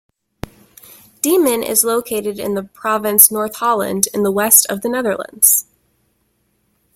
Diemen is located in the province North Holland, in the west of the Netherlands.